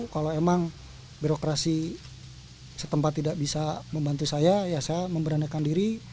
kalau emang birokrasi setempat tidak bisa membantu saya ya saya memberanikan diri